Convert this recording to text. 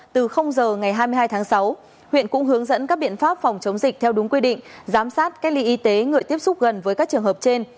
từ giờ ngày hai mươi hai tháng sáu huyện cũng hướng dẫn các biện pháp phòng chống dịch theo đúng quy định giám sát cách ly y tế người tiếp xúc gần với các trường hợp trên